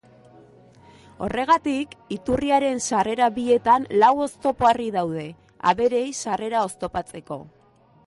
Horregatik, iturriaren sarrera bietan lau oztopo-harri daude, abereei sarrera oztopatzeko.